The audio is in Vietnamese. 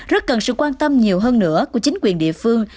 rất cần sự quan tâm nhiều hơn nữa của chính quyền địa phương